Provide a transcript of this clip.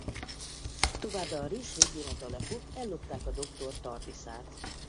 Továbbá a rész végén a Dalekok ellopták a Doktor Tardis-át.